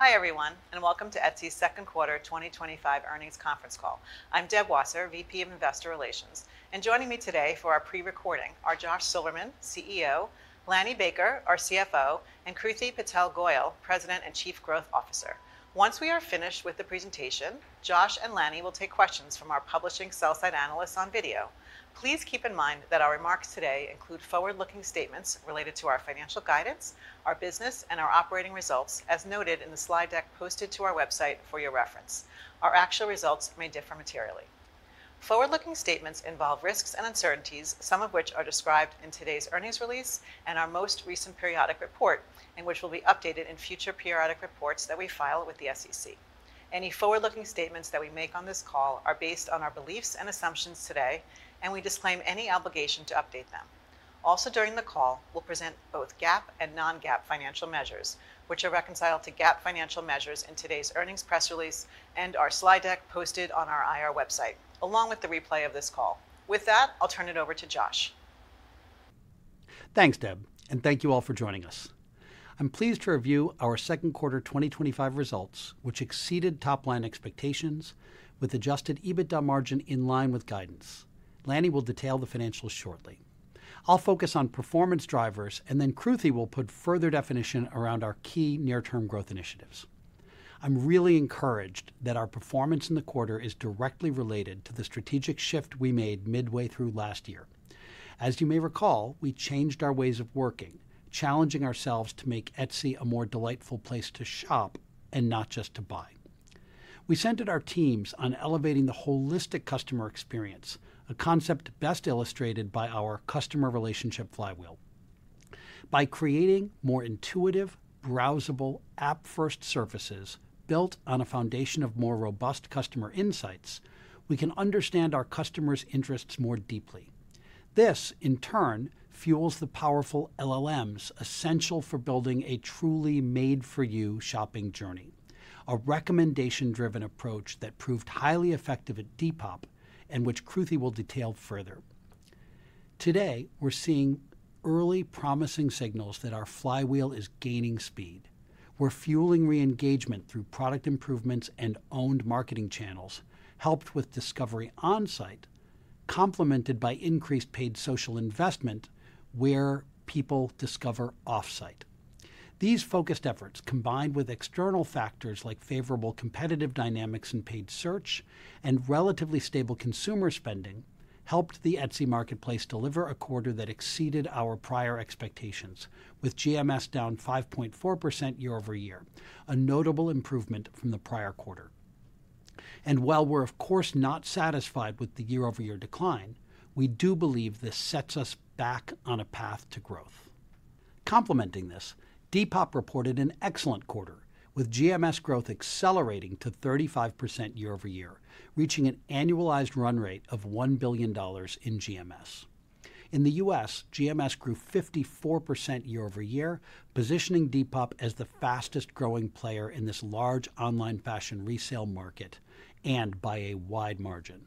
Hi everyone and welcome to Etsy's second quarter 2025 earnings conference call. I'm Deb Wasser, VP of Investor Relations, and joining me today for our pre-recording are Josh Silverman, CEO, Lanny Baker, our CFO, and Kruti Patel Goyal, President and Chief Growth Officer. Once we are finished with the presentation, Josh and Lanny will take questions from our publishing sell side analysts on video. Please keep in mind that our remarks today include forward-looking statements regarding our financial guidance, our business, and our operating results. As noted in the slide deck posted to our website for your reference, our actual results may differ materially. Forward-looking statements involve risks and uncertainties, some of which are described in today's earnings release and our most recent periodic report and which will be updated in future periodic reports that we file with the SEC. Any forward-looking statements that we make on this call are based on our beliefs and assumptions today and we disclaim any obligation to update them. Also, during the call we'll present both GAAP and non-GAAP financial measures, which are reconciled to GAAP financial measures in today's earnings press release and our slide deck posted on our IR website along with the replay of this call. With that, I'll turn it over to Josh. Thanks Deb and thank you all for joining us. I'm pleased to review our second quarter 2025 results, which exceeded top line expectations, with Adjusted EBITDA margin in line with guidance. Lanny will detail the financials shortly. I'll focus on performance drivers, and then Kruti will put further definition around our key near term growth initiatives. I'm really encouraged that our performance in the quarter is directly related to the strategic shift we made midway through last year. As you may recall, we changed our ways of working, challenging ourselves to make Etsy a more delightful place to shop and not just to buy. We centered our teams on elevating the holistic customer experience, a concept best illustrated by our customer relationship flywheel. By creating more intuitive, browsable app-first services built on a foundation of more robust customer insights, we can understand our customers' interests more deeply. This in turn fuels the powerful LLMs. Essential for building a truly made for. Your shopping journey, a recommendation-driven approach that proved highly effective at Depop and which Kruti will detail further. Today we're seeing early promising signals that our flywheel is gaining speed. We're fueling re-engagement through product improvements and owned marketing channels, helped with discovery on site, complemented by increased Paid Social investment where people discover off site. These focused efforts, combined with external factors like favorable competitive dynamics in paid search and relatively stable consumer spending, helped the Etsy marketplace deliver a quarter that exceeded our prior expectations, with GMS down 5.4% year-over-year, a notable improvement from the prior quarter. While we're of course not satisfied with the year-over-year decline, we do believe this sets us back on a path to growth. Complementing this, Depop reported an excellent quarter with GMS growth accelerating to 35% year-over-year, reaching an annualized run rate of $1 billion in GMS. In the U.S., GMS grew 54% year-over-year, positioning Depop as the fastest growing player in this large online fashion resale market and by a wide margin.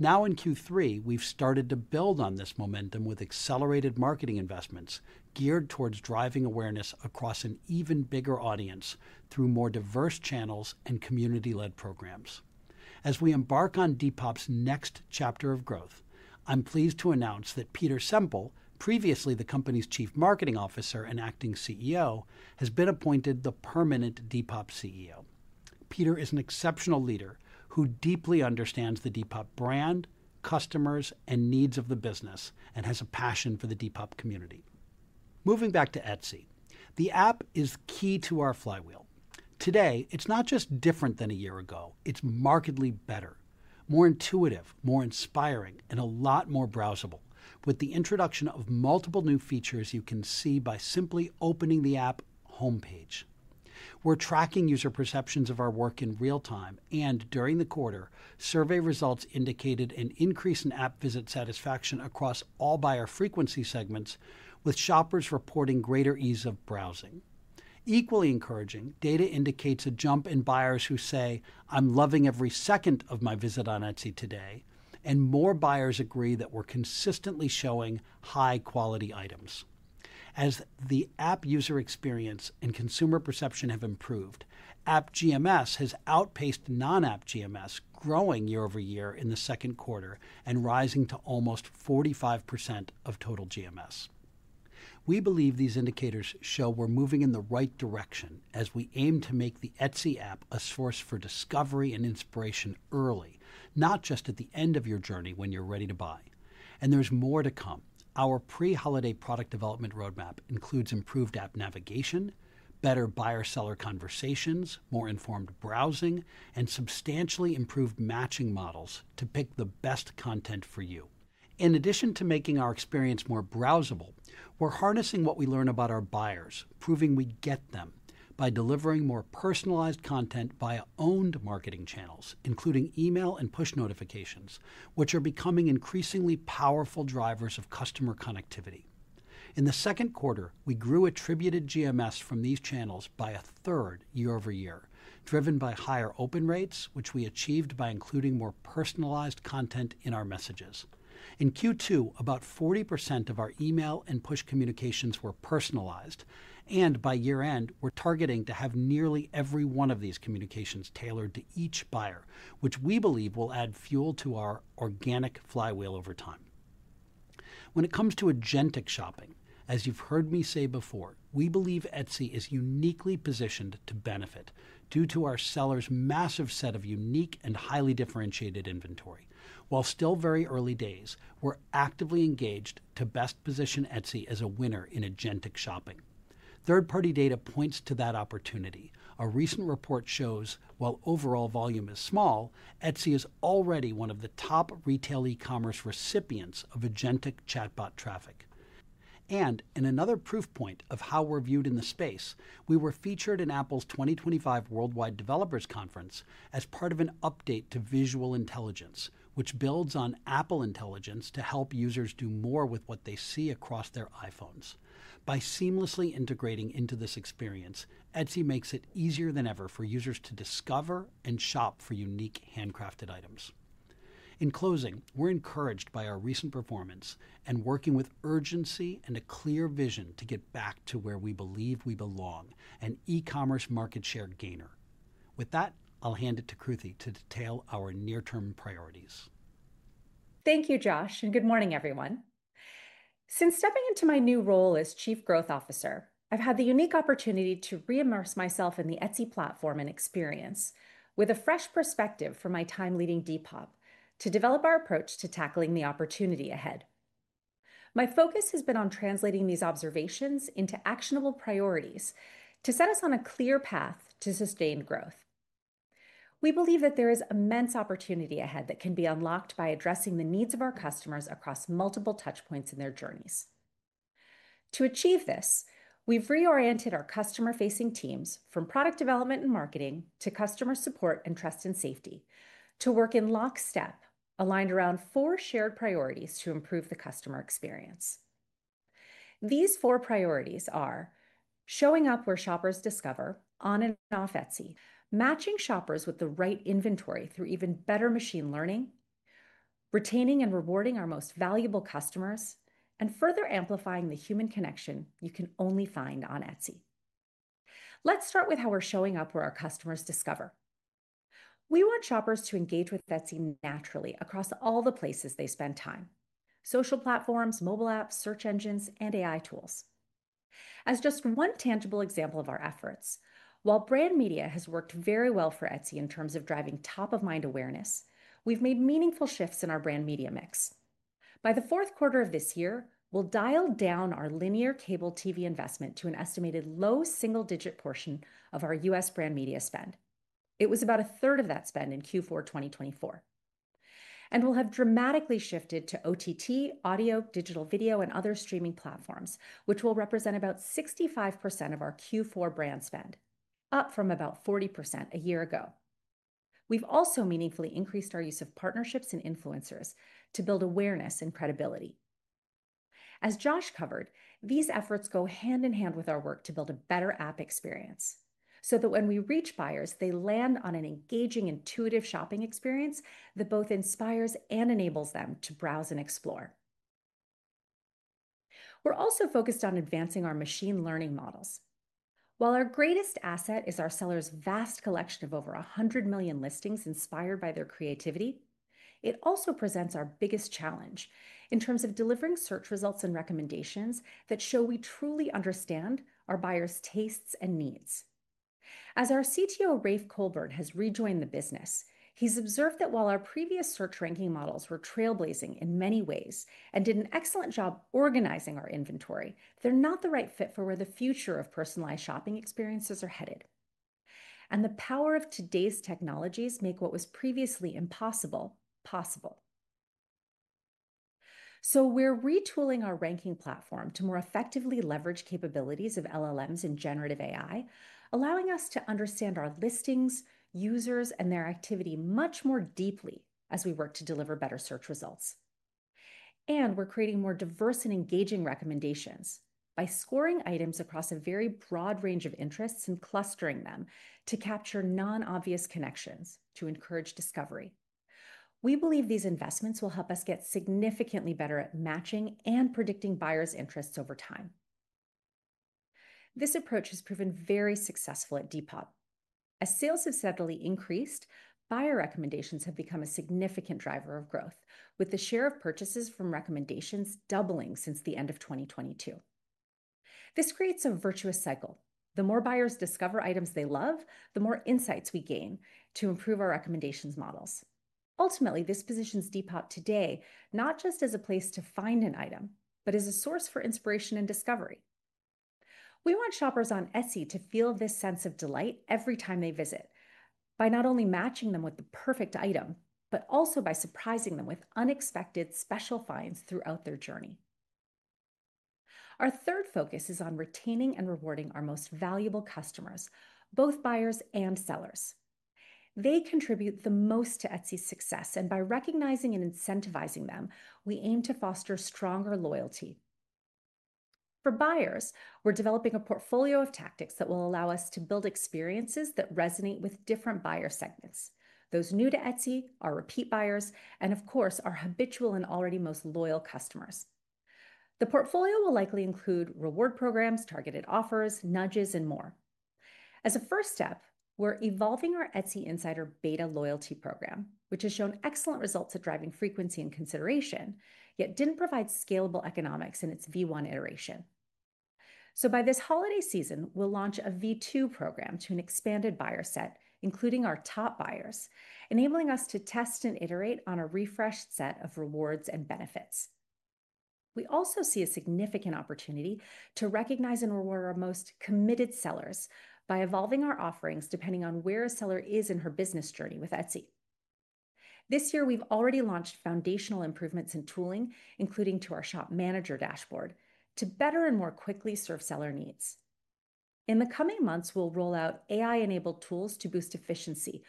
Now in Q3, we've started to build on this momentum with accelerated marketing investments geared towards driving awareness across an even bigger audience through more diverse channels and community-led programs. As we embark on Depop's next chapter of growth, I'm pleased to announce that Peter Semple, previously the company's Chief Marketing Officer and Acting CEO, has been appointed the permanent Depop CEO. Peter is an exceptional leader who deeply understands the Depop brand, customers, and needs of the business, and has a passion for the Depop community. Moving back to Etsy, the app is key to our flywheel today. It's not just different than a year ago, it's markedly better, more intuitive, more inspiring, and a lot more browsable. With the introduction of multiple new features, you can see by simply opening the app homepage. We're tracking user perceptions of our work in real time, and during the quarter, survey results indicated an increase in app visit satisfaction across all buyer frequency segments, with shoppers reporting greater ease of browsing. Equally encouraging data indicates a jump in buyers who say, "I'm loving every second of my visit on Etsy today," and more buyers agree that we're consistently showing high quality items as the app user experience and consumer perception have improved. App GMS has outpaced non-app GMS, growing year-over-year in the second quarter and rising to almost 45% of total GMS. We believe these indicators show we're moving in the right direction as we aim to make the Etsy app a source for discovery and inspiration early, not just at the end of your journey when you're ready to buy, and there's more to come. Our pre-holiday product development roadmap includes improved app navigation, better buyer-seller conversations, more informed browsing, and substantially improved matching models to pick the best content for you. In addition to making our experience more browsable, we're harnessing what we learn about our buyers, proving we get them by delivering more personalized content via owned marketing channels, including email and push notifications, which are becoming increasingly powerful drivers of customer activity. In the second quarter, we grew attributed GMS from these channels by a third year-over-year, driven by higher open rates, which we achieved by including more personalized content in our messages. In Q2, about 40% of our email and push communications were personalized, and by year end we're targeting to have nearly every one of these communications tailored to each buyer, which we believe will add fuel to our organic flywheel over time. When it comes to Agentic Shopping, as you've heard me say before, we believe Etsy is uniquely positioned to benefit due to our sellers' massive set of unique and highly differentiated inventory. While still very early days, we're actively engaged to best position Etsy as a winner in Agentic shopping. Third-party data points to that opportunity. A recent report shows while overall volume is small, Etsy is already one of the top retail e-commerce recipients of Agentic chatbot traffic. In another proof point of how we're viewed in the space, we were featured in Apple's 2025 Worldwide Developers Conference as part of an update to Visual Intelligence, which builds on Apple Intelligence to help users do more with what they see across their iPhones. By seamlessly integrating into this experience, Etsy makes it easier than ever for users to discover and shop for unique handcrafted items. In closing, we're encouraged by our recent performance and working with urgency and a clear vision to get back to where we believe we belong, an e-commerce market share gainer. With that, I'll hand it to Kruti to detail our near-term priorities. Thank you, Josh, and good morning, everyone. Since stepping into my new role as Chief Growth Officer, I've had the unique opportunity to re-immerse myself in the Etsy platform and experience with a fresh perspective from my time leading Depop to develop our approach to tackling the opportunity ahead. My focus has been on translating these observations into actionable priorities to set us on a clear path to sustained growth. We believe that there is immense opportunity ahead that can be unlocked by addressing the needs of our customers across multiple touch points in their journeys. To achieve this, we've reoriented our customer-facing teams from product development and marketing to customer support and trust and safety to work in lockstep, aligned around four shared priorities to improve the customer experience. These four priorities are showing up where shoppers discover on and off Etsy, matching shoppers with the right inventory through even better machine learning, retaining and rewarding our most valuable customers, and further amplifying the human connection you can only find on Etsy. Let's start with how we're showing up where our customers discover. We want shoppers to engage with Etsy naturally across all the places they spend time: social platforms, mobile apps, search engines, and AI tools as just one tangible example of our efforts. While brand media has worked very well for Etsy in terms of driving top-of-mind awareness, we've made meaningful shifts in our brand media mix. By the fourth quarter of this year, we'll dial down our linear cable TV investment to an estimated low single-digit portion of our U.S. brand media spend. It was about 1/3 of that spend in Q4 2024, and we'll have dramatically shifted to OTT audio, digital video, and other streaming platforms, which will represent about 65% of our Q4 brand spend, up from about 40% a year ago. We've also meaningfully increased our use of partnerships and influencers to build awareness and credibility. As Josh covered, these efforts go hand in hand with our work to build a better app experience so that when we reach buyers, they land on an engaging, intuitive shopping experience that both inspires and enables them to browse and explore. We're also focused on advancing our machine learning models. While our greatest asset is our sellers' vast collection of over 100 million listings inspired by their creativity, it also presents our biggest challenge in terms of delivering search results and recommendations that show we truly understand our buyers' tastes and needs. As our CTO Rafe Colburn has rejoined the business, he's observed that while our previous search ranking models were trailblazing in many ways and did an excellent job organizing our inventory, they're not the right fit for where the future of personalized shopping experiences are headed, and the power of today's technologies make what was previously impossible possible. We are retooling our ranking platform to more effectively leverage capabilities of large language models in generative AI, allowing us to understand our listings, users, and their activity much more deeply as we work to deliver better search results. We're creating more diverse and engaging recommendations by scoring items across a very broad range of interests and clustering them to capture non-obvious connections to encourage discovery. We believe these investments will help us get significantly better at matching and predicting buyers' interests over time. This approach has proven very successful at Depop, as sales have steadily increased, and buyer recommendations have become a significant driver of growth, with the share of purchases from recommendations doubling since the end of 2022. This creates a virtuous cycle. The more buyers discover items they love, the more insights we gain to improve our recommendations models. Ultimately, this positions Depop today not just as a place to find an item, but as a source for inspiration and discovery. We want shoppers on Etsy to feel this sense of delight every time they visit by not only matching them with the perfect item, but also by surprising them with unexpected special finds throughout their journey. Our third focus is on retaining and rewarding our most valuable customers, both buyers and sellers. They contribute the most to Etsy's success, and by recognizing and incentivizing them, we aim to foster stronger loyalty. For buyers, we're developing a portfolio of tactics that will allow us to build experiences that resonate with different buyer segments, those new to Etsy, our repeat buyers, and of course our habitual and already most loyal customers. The portfolio will likely include reward programs, targeted offers, nudges, and more. As a first step, we're evolving our Etsy Insider Beta loyalty program, which has shown excellent results at driving frequency and consideration, yet didn't provide scalable economics in its V1 iteration. By this holiday season, we'll launch a V2 program to an expanded buyer set, including our top buyers, enabling us to test and iterate on a refreshed set of rewards and benefits. We also see a significant opportunity to recognize and reward our most committed sellers by evolving our offerings depending on where a seller is in her business journey with Etsy. This year we've already launched foundational improvements in tooling, including to our Shop Manager Dashboard to better and more quickly serve seller needs. In the coming months, we'll roll out AI-enabled tools to boost efficiency,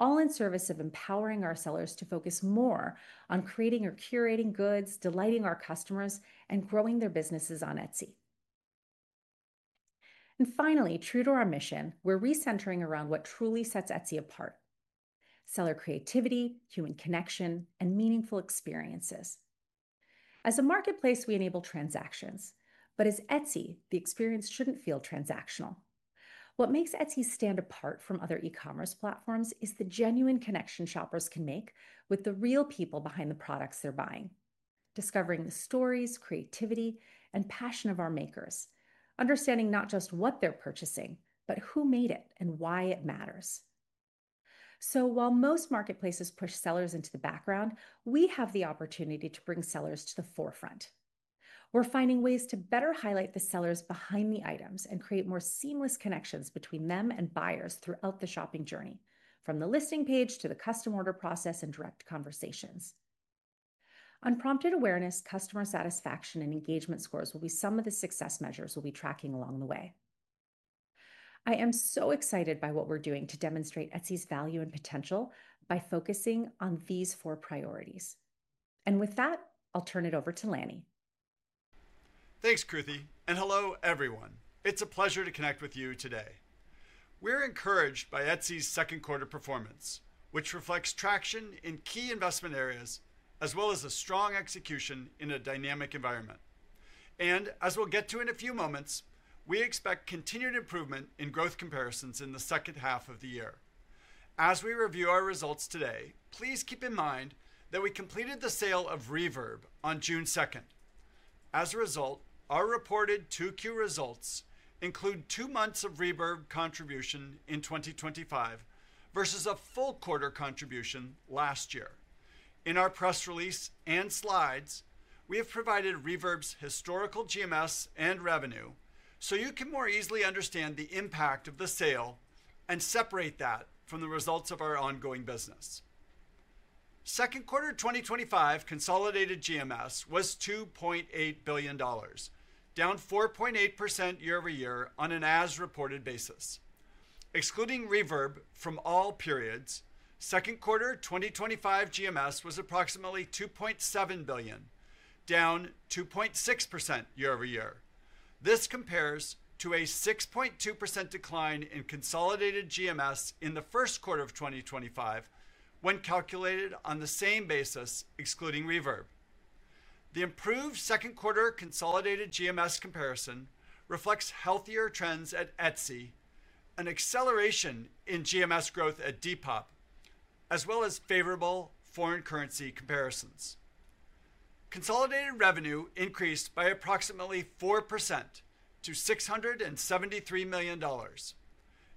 all in service of empowering our sellers to focus more on creating or curating goods, delighting our customers, and growing their businesses on Etsy. Finally, true to our mission, we're re-centering around what truly sets Etsy apart: seller creativity, human connection, and meaningful experiences. As a marketplace, we enable transactions, but as Etsy, the experience shouldn't feel transactional. What makes Etsy stand apart from other e-commerce platforms is the genuine connection shoppers can make with the real people behind the products they're buying. Discovering the stories, creativity, and passion of our makers, understanding not just what they're purchasing, but who made it and why it matters. While most marketplaces push sellers into the background, we have the opportunity to bring sellers to the forefront. We're finding ways to better highlight the sellers behind the items and create more seamless connections between them and buyers throughout the shopping journey, from the listing page to the custom order process and direct conversations. Unprompted awareness, customer satisfaction, and engagement scores will be some of the success measures we'll be tracking along the way. I am so excited by what we're doing to demonstrate Etsy's value and potential by focusing on these four priorities. With that, I'll turn it over to Lanny. Thanks Kruti, and hello everyone. It's a pleasure to connect with you today. We're encouraged by Etsy's second quarter performance. Which reflects traction in key investment areas. As well as strong execution in a dynamic environment. We expect continued improvement in a few moments. Growth comparisons in the second half of the year. As we review our results today, please keep in mind that we completed the sale of Reverb on June 2nd. As a result, our reported 2Q results include 2 months of Reverb contribution in 2025 versus a full quarter contribution last year. In our press release and slides, we have provided Reverb's historical GMS and revenue so you can more easily understand the impact of the sale and separate. That is from the results of our ongoing business. Second quarter 2025 consolidated GMS was $2.8 billion, down 4.8% year-over-year on an as reported basis excluding Reverb from all periods. Second quarter 2025 GMS was approximately $2.7 billion, down 2.6% year-over-year. This compares to a 6.2% decline in consolidated GMS in the first quarter of 2025 when calculated on the same basis excluding Reverb. The improved second quarter consolidated GMS comparison reflects healthier trends at Etsy, an acceleration in GMS growth at Depop, as well as favorable foreign currency comparisons. Consolidated revenue increased by approximately 4% to $673 million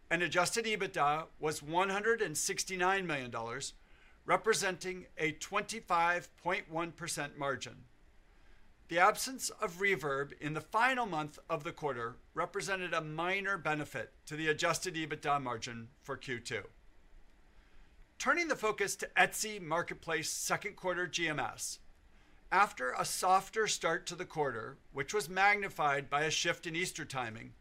and adjusted EBITDA was $169 million, representing a 25.1% margin. The absence of Reverb in the final month of the quarter represented a minor benefit to the adjusted EBITDA margin for Q2, turning the focus to Etsy marketplace. Second quarter GMS after a softer start to the quarter, which was magnified by a shift in Easter timing,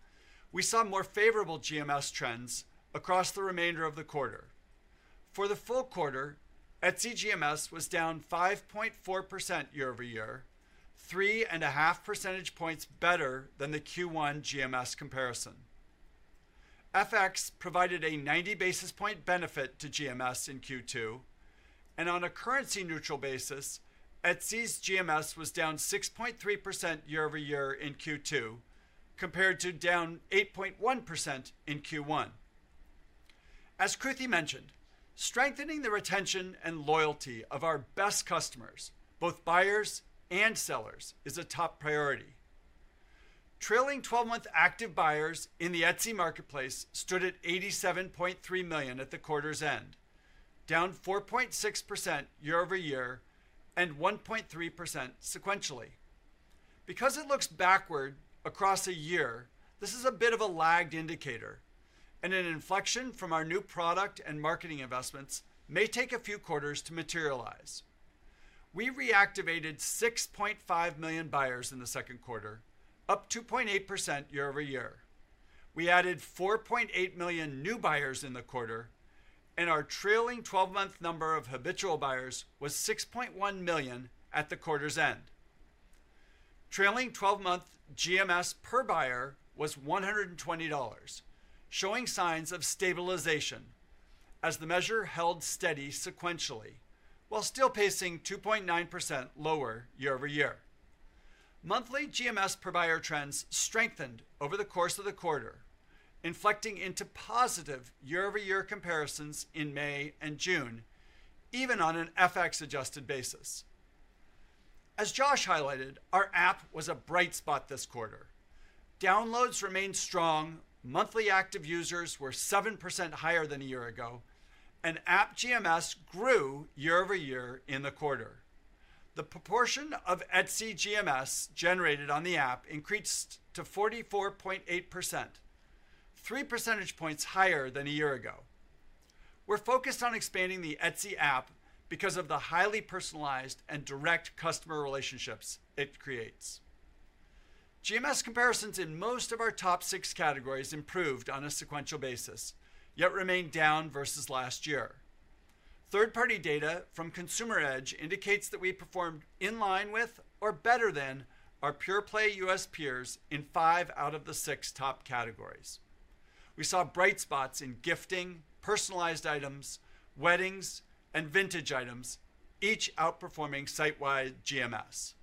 we saw more favorable GMS trends across the remainder of the quarter. For the full quarter, Etsy GMS was down 5.4% year-over-year, 3.5 percentage points better than the Q1 GMS comparison. FX provided a 90 basis point benefit to GMS in Q2 and on a currency neutral basis, Etsy's GMS was down 6.3% year-over-year in Q2 compared to down 8.1% in Q1. As Kruti mentioned, strengthening the retention and loyalty of our best customers, both buyers and sellers, is a top priority. Trailing 12-month active buyers in the Etsy marketplace stood at 87.3 million at the quarter's end, down 4.6% year-over-year and 1.3% sequentially. Because it looks backward across a year, this is a bit of a lagged indicator and an inflection from our new product and marketing investments may take a few quarters to materialize. We reactivated 6.5 million buyers in the second quarter, up 2.8% year-over-year. We added 4.8 million new buyers in the quarter and our trailing twelve month number of habitual buyers was 6.1 million at the quarter's end. Trailing 12-month GMS per buyer was $120, showing signs of stabilization as the measure held steady sequentially while still pacing 2.9% lower year-over-year. Monthly GMS per buyer trends strengthened over the course of the quarter, inflecting into positive year-over-year comparisons in May and June, even on an FX adjusted basis. As Josh highlighted, our mobile app was a bright spot this quarter. Downloads remained strong, monthly active users were 7% higher than a year ago and app GMS grew year-over-year in the quarter. The proportion of Etsy GMS generated on the app increased to 44.8%, 3 percentage points higher than a year ago. We're focused on expanding the Etsy app because of the highly personalized and direct customer relationships it creates. GMS comparisons in most of our top six categories improved on a sequential basis, yet remained down versus last year. Third party data from Consumer Edge indicates that we performed in line with or better than our pure play U.S. peers in five out of the six top categories. We saw bright spots in gifting, personalized items, weddings, and vintage items, each outperforming site wide. GMS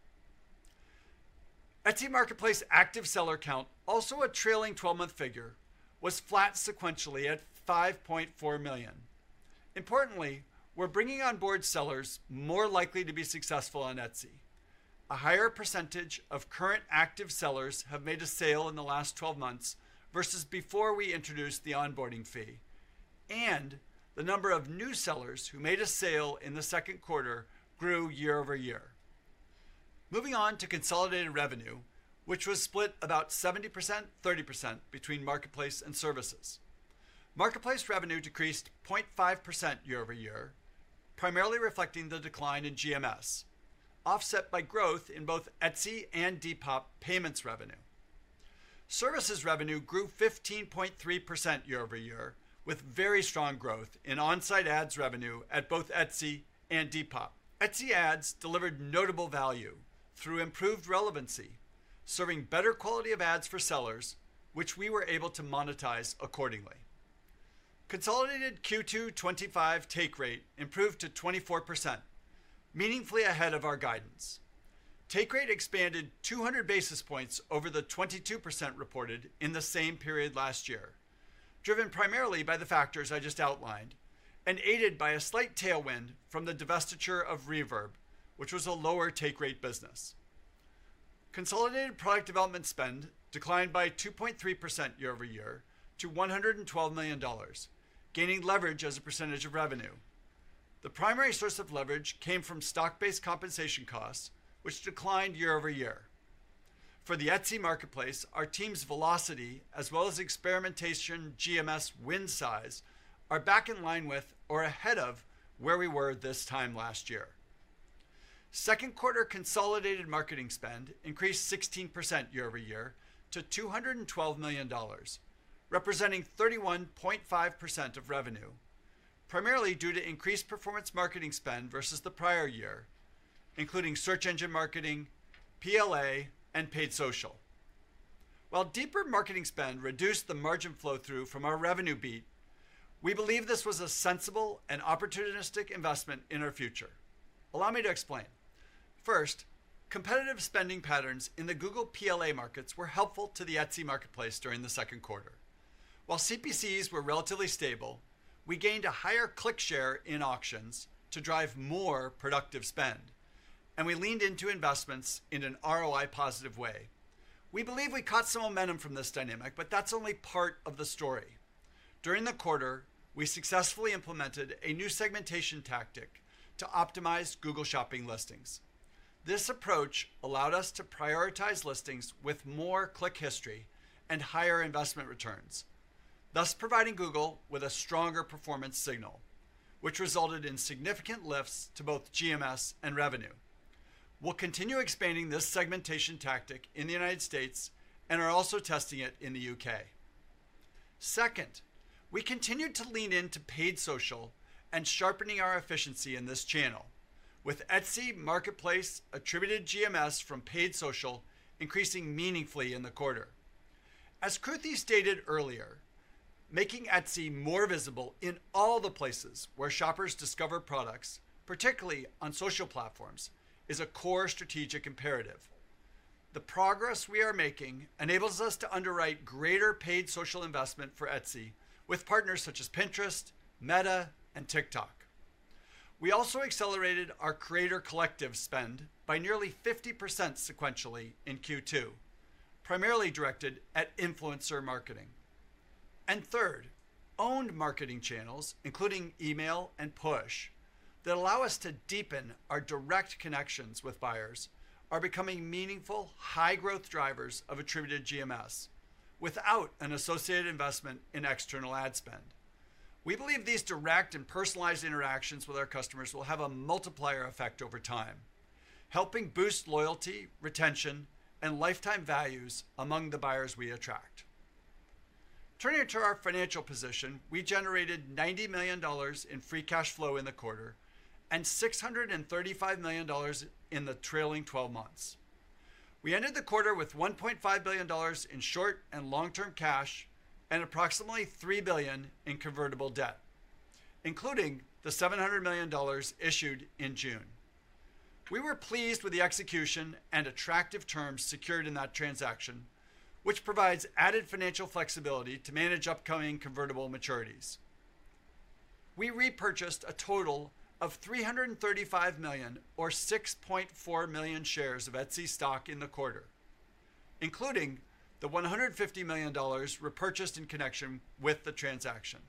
Etsy Marketplace active seller count, also a trailing 12-month figure, was flat sequentially at 5.4 million. Importantly, we're bringing on board sellers more likely to be successful on Etsy. A higher percentage of current active sellers have made a sale in the last 12 months versus before we introduced the onboarding fee. The number of new sellers who made a sale in the second quarter grew year-over-year. Moving on to consolidated revenue, which was split about 70%, 30% between Marketplace and Services. Marketplace revenue decreased 0.5% year-over-year, primarily reflecting the decline in GMS offset by growth in both Etsy and Depop Payments revenue. Services revenue grew 15.3% year-over-year with very strong growth in on site ads revenue at both Etsy and Depop. Etsy ads delivered notable value through improved relevancy, serving better quality of ads for sellers, which we were able to monetize accordingly. Consolidated Q2 2025 take rate improved to 24%, meaningfully ahead of our guidance. Take rate expanded 200 basis points over the 22% reported in the same period last year, driven primarily by the factors I just outlined and aided by a slight tailwind from the divestiture of Reverb. Which was a lower take rate business. Consolidated product development spend declined by 2.3% year-over-year to $112 million, gaining leverage as a percentage of revenue. The primary source of leverage came from stock-based compensation costs, which declined year-over-year for the Etsy Marketplace. Our team's velocity as well as experimentation GMS win size are back in line with or ahead of where we were this time last year. Second quarter consolidated marketing spend increased 16% year-over-year to $212 million, representing 31.5% of revenue, primarily due to increased performance marketing spend versus the prior year, including search engine marketing, PLA, and Paid Social. While deeper marketing spend reduced the margin flow-through from our revenue beat, we believe this was a sensible and opportunistic investment in our future. Allow me to explain. First, competitive spending patterns in the Google PLA markets were helpful to the Etsy Marketplace during the second quarter. While CPCs were relatively stable, we gained a higher click share in auctions to drive more productive spend, and we leaned into investments in an ROI-positive way. We believe we caught some momentum from this dynamic, but that's only part of the story. During the quarter, we successfully implemented a new segmentation tactic to optimize Google Shopping listings. This approach allowed us to prioritize listings with more click history and higher investment returns, thus providing Google with a stronger performance signal, which resulted in significant lifts to both GMS and revenue. We'll continue expanding this segmentation tactic in the U.S. and are also testing it in the U.K. Second, we continue to lean into Paid Social and sharpening our efficiency in this channel, with Etsy Marketplace attributed GMS from Paid Social increasing meaningfully in the quarter. As Kruti stated earlier, making Etsy more visible in all the places where shoppers discover products, particularly on social platforms, is a core strategic imperative. The progress we are making enables us to underwrite greater Paid Social investment for Etsy with partners such as Pinterest, Meta, and TikTok. We also accelerated our creator collective spend by nearly 50% sequentially in Q2, primarily directed at influencer marketing, and third-owned marketing channels including email and push that allow us to deepen our direct connections with buyers are becoming meaningful high-growth drivers of attributed GMS without an associated investment in external ad spend. We believe these direct and personalized interactions with our customers will have a multiplier effect over time, helping boost loyalty, retention, and lifetime values among the buyers we attract. Turning to our financial position, we generated $90 million in free cash flow in the quarter and $635 million in the trailing 12 months. We ended the quarter with $1.5 billion in short and long term cash and approximately $3 billion in convertible debt, including the $700 million issued in June. We were pleased with the execution and attractive terms secured in that transaction, which provides added financial flexibility to manage upcoming convertible maturities. We repurchased a total of $335 million, or 6.4 million shares, of Etsy stock in the quarter, including the $150 million repurchased in connection with the transaction.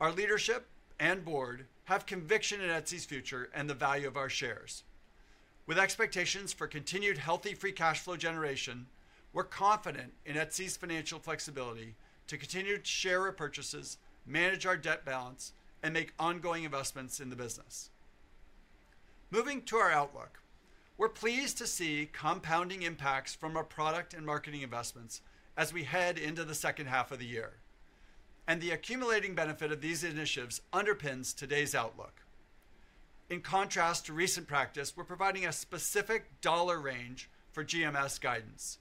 Our leadership and board have conviction in Etsy's future and the value of our shares. With expectations for continued healthy free cash flow generation, we're confident in Etsy's financial flexibility to continue share repurchases, manage our debt balance, and make ongoing investments in the business. Moving to our outlook, we're pleased to see compounding impacts from our product and marketing investment as we head into the second half of the year, and the accumulating benefit of these initiatives underpins today's outlook. In contrast to recent practice, we're providing a specific dollar range for GMS guidance,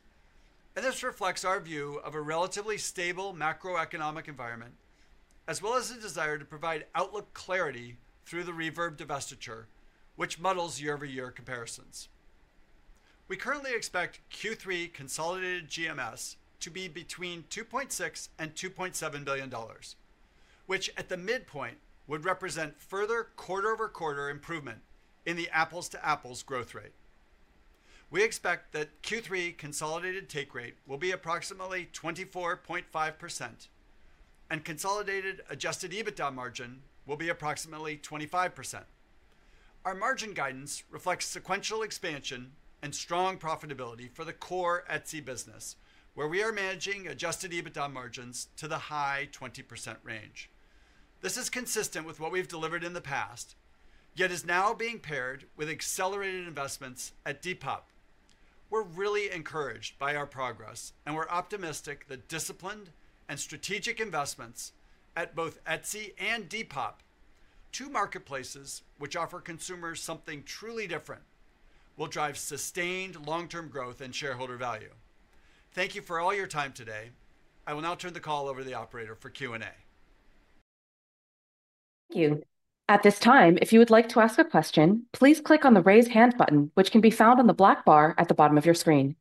and this reflects our view of a relatively stable macroeconomic environment as well as the desire to provide outlook clarity through the Reverb divestiture, which muddles year-over-year comparison. We currently expect Q3 consolidated GMS to be between $2.6 billion and $2.7 billion, which at the midpoint would represent further quarter-over-quarter improvement in the apples-to-apples growth rate. We expect that Q3 consolidated take rate will be approximately 24.5% and consolidated adjusted EBITDA margin will be approximately 25%. Our margin guidance reflects sequential expansion and strong profitability for the core Etsy business, where we are managing Adjusted EBITDA margins to the high 20% range. This is consistent with what we've delivered in the past, yet is now being paired with accelerated investments at Depop. We're really encouraged by our progress, and we're optimistic that disciplined and strategic investments at both Etsy and Depop, two marketplaces which offer consumers something truly different, will drive sustained long term growth and shareholder value. Thank you for all your time today. I will now turn the call over to the operator for Q&A. Thank you. At this time, if you would like to ask a question, please click on the Raise hand button, which can be found on the black bar at the bottom of your screen.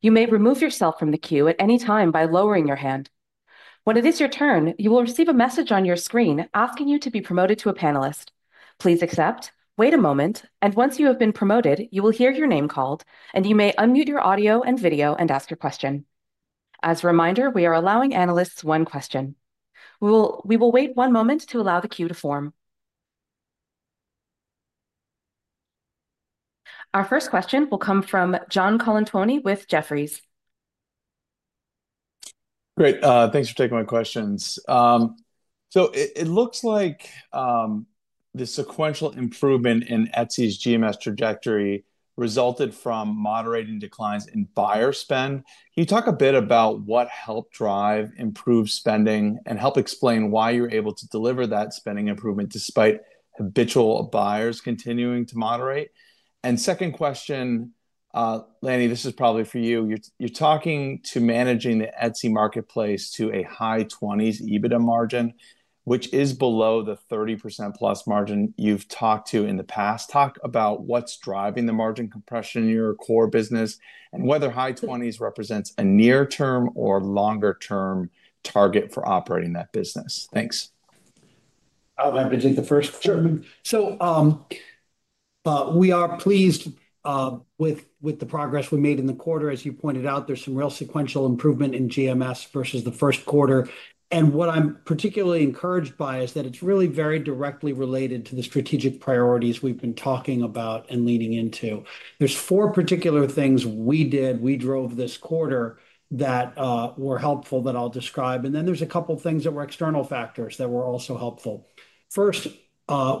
You may remove yourself from the queue at any time by lowering your hand. When it is your turn, you will receive a message on your screen asking you to be promoted to a panelist. Please accept. Wait a moment, and once you have been promoted, you will hear your name called and you may unmute your audio and video and ask your question. As a reminder, we are allowing analysts one question. We will wait one moment to allow the queue to form. Our first question will come from John Colantuoni with Jefferies. Great. Thanks for taking my questions. It looks like the sequential improvement in Etsy's GMS trajectory resulted from moderating declines in buyer spend. Can you talk a bit about what helped drive improved spending and help explain why you're able to deliver that spending improvement despite habitual buyers continuing to moderate? Second question, Lanny, this is probably for you. You're talking to managing the Etsy Marketplace to a high 20s EBITDA margin, which is below the 30%+ margin you've talked to in the past. Talk about what's driving the margin compression in your core business and whether high 20s represents a near term or longer term target for operating that business. Thanks. I'll have to take the first John. We are pleased with the progress we made in the quarter. As you pointed out, there's some real sequential improvement in GMS versus the first quarter. What I'm particularly encouraged by is that it's really very directly related to the strategic priorities we've been talking about and leaning into. There are four particular things we did, we drove this quarter that were helpful, that I'll describe, and then there are a couple of things that were external factors that were also helpful. First,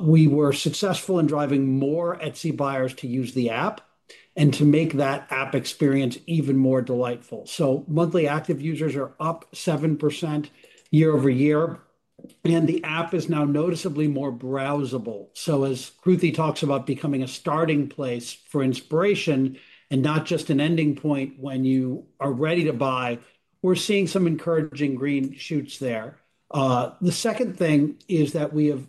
we were successful in driving more Etsy buyers to use the app and to make that app experience even more delightful. Monthly active users are up 7% year-over-year and the app is now noticeably more browsable. As Kruti talks about becoming a starting place for inspiration and not just an ending point when you are ready to buy, we're seeing some encouraging green shoots there. The second thing is that we have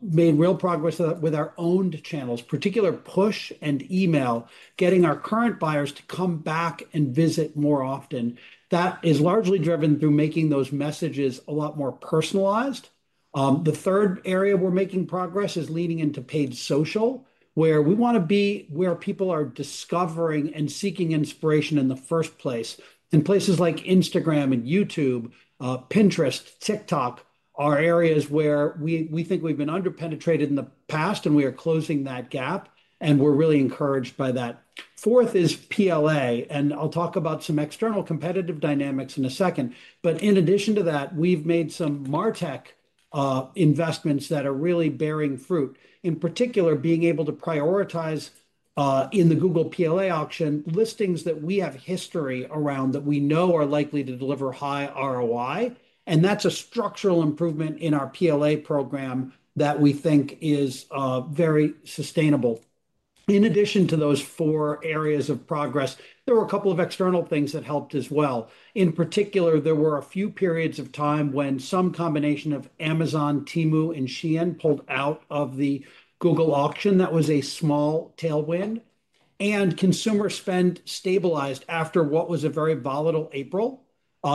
made real progress with our owned channels, particularly push and email, getting our current buyers to come back and visit more often. That is largely driven through making those messages a lot more personalized. The third area we're making progress is leaning into Paid Social, where we want to be, where people are discovering and seeking inspiration in the first place. Places like Instagram, YouTube, Pinterest, and TikTok are areas where we think we've been underpenetrated in the past and we are closing that gap. We're really encouraged by that. Fourth is play, and I'll talk about some external competitive dynamics in a second, but in addition to that, we've made some martech investments that are really bearing fruit. In particular, being able to prioritize in the Google Play auction listings that we have history around, that we know are likely to deliver high ROI. That's a structural improvement in our PLA program that we think is very sustainable. In addition to those four areas of progress, there were a couple of external things that helped as well. In particular, there were a few periods of time when some combination of Amazon, Temu, and Shein pulled out of the Google auction. That was a small tailwind, and consumer spend stabilized after what was a very volatile April.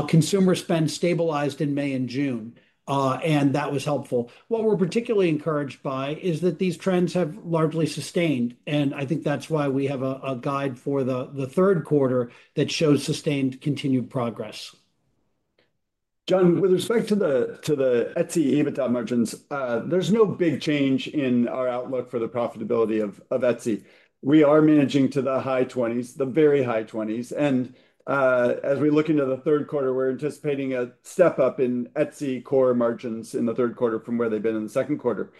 Consumer spend stabilized in May and June and that was helpful. What we're particularly encouraged by is that these trends have largely sustained, and I think that's why we have a guide for the third quarter that shows sustained continued progress. John, with respect to the Etsy EBITDA margins, there's no big change in our outlook for the profitability of Etsy. We are managing to the high 20s, the very high 20s. As we look into the third quarter, we're anticipating a step up in Etsy core margins in the third quarter from where they've been in the second quarter.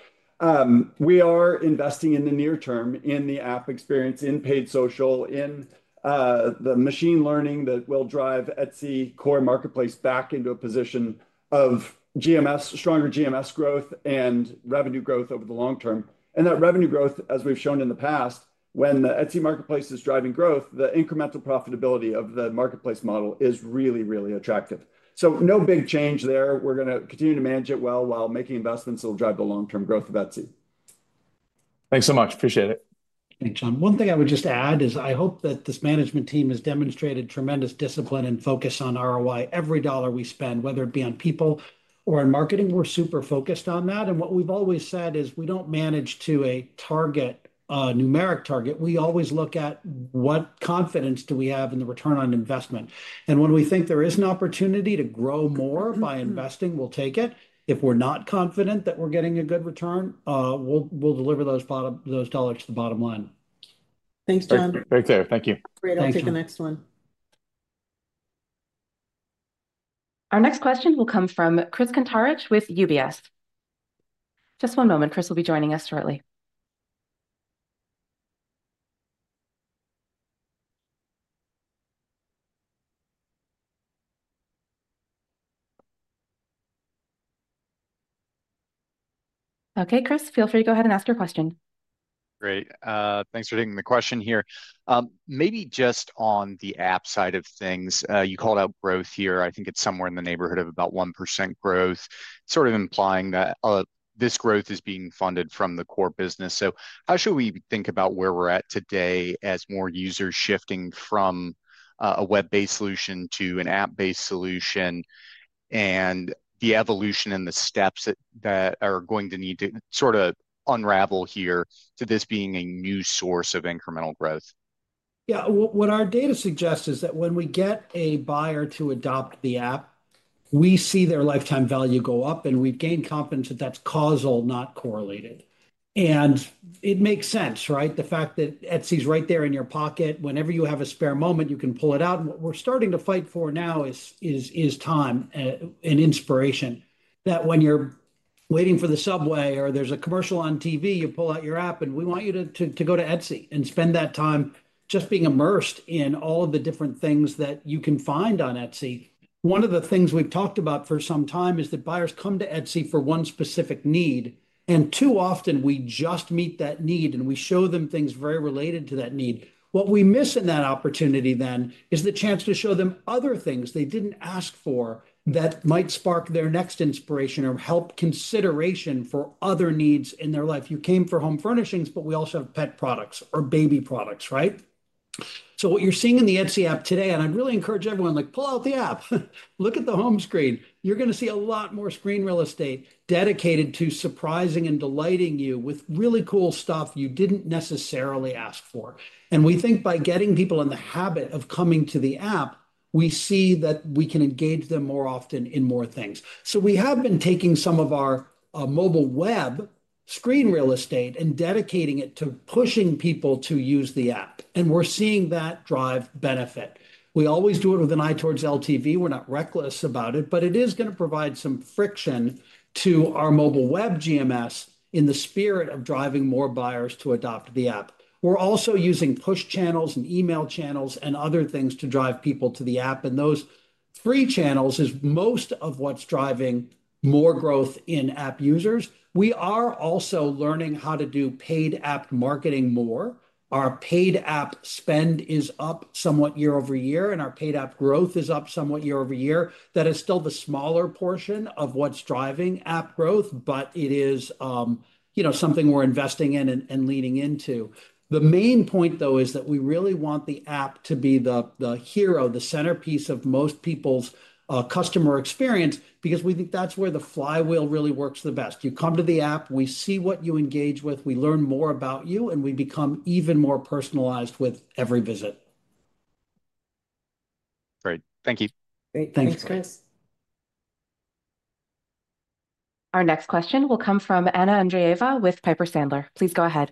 We are investing in the near term in the mobile app experience, in Paid Social, in the machine learning that will drive Etsy Core Marketplace back into a position of GMS, stronger GMS growth and revenue growth over the long term. That revenue growth, as we've shown in the past when the Etsy marketplace is driving growth, the incremental profitability of the marketplace model is really, really attractive. No big change there. We're going to continue to manage it well while making investments that will drive the long term growth of Etsy. Thanks so much. Appreciate it. Thanks John. One thing I would just add is I hope that this management team has demonstrated tremendous discipline and focus on ROI. Every dollar we spend, whether it be on people or in marketing, we're super focused on that. What we've always said is we don't manage to a numeric target. We always look at what confidence do we have in the return on investment. When we think there is an opportunity to grow more by investing, we'll take it. If we're not confident that we're getting a good return, we'll deliver those dollars to the bottom line. Thanks, John. Thank you. Great. I'll take the next one. Our next question will come from Chris Kuntarich with UBS. Just one moment. Chris will be joining us shortly. Okay, Chris, feel free to go ahead and ask your question. Great. Thanks for taking the question here. Maybe just on the app side of things, you called out growth here. I think it's somewhere in the neighborhood of about 1% growth, sort of implying that this growth is being funded from the core business. How should we think about where we're at today as more users shifting. From a web-based solution to an app-based solution and the evolution and the steps that are going to need to sort of unravel here to this being a new source of incremental growth? Yeah. What our data suggests is that when we get a buyer to adopt the app, we see their lifetime value go up, and we've gained confidence that that's causal, not correlated. It makes sense, right? The fact that Etsy's right there in your pocket, whenever you have a spare moment, you can pull it out. What we're starting to fight for now is time and inspiration, that when you're waiting for the subway or there's a commercial on TV, you pull out your app, and we want you to go to Etsy and spend that time just being immersed in all of the different things that you can find on Etsy. One of the things we've talked about for some time is that buyers come to Etsy for one specific need, and too often we just meet that need and we show them things very related to that need. What we miss in that opportunity then is the chance to show them other things they didn't ask for that might spark their next inspiration or help consideration for other needs in their life. You came for home furnishings, but we also have pet products or baby products, right. What you're seeing in the Etsy app today, and I'd really encourage everyone, like pull out the app, look at the home screen. You're going to see a lot more screen real estate dedicated to surprising and delighting you with really cool stuff you didn't necessarily ask for. We think by getting people in the habit of coming to the app, we see that we can engage them more often in more things. We have been taking some of our mobile web screen real estate and dedicating it to pushing people to use the app, and we're seeing that drive benefit. We always do it with an eye towards LTV. We're not reckless about it, but it is going to provide some friction to our mobile web GMS. In the spirit of driving more buyers to adopt the app, we're also using push channels and email channels and other things to drive people to the app. Those three channels are most of what's driving more growth in app users. We are also learning how to do paid app marketing more. Our paid app spend is up somewhat year-over-year, and our paid app growth is up somewhat year-over-year. That is still the smaller portion of what's driving app growth, but it is something we're investing in and leaning into. The main point though is that we really want the app to be the hero, the centerpiece of most people's customer experience, because we think that's where the flywheel really works the best. You come to the app, we see what you engage with, we learn more about you, and we become even more personalized with every visit. Great, thank you. Our next question will come from Anna Andreeva with Piper Sandler. Please go ahead.